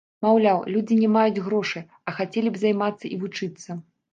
Маўляў, людзі не маюць грошай, а хацелі б займацца і вучыцца.